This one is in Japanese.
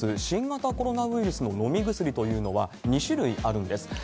新型コロナウイルスの飲み薬というのは、２種類あるんです。